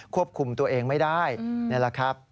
ควบคุมตัวเองไม่ได้นี่แหละครับ